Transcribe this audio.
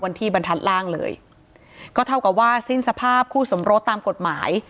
ที่บรรทัศน์ล่างเลยก็เท่ากับว่าสิ้นสภาพคู่สมรสตามกฎหมาย